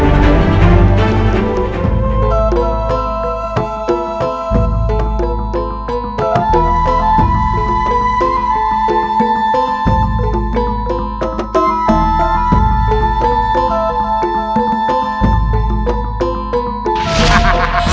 kalau bupet boyang khususnya sana jelek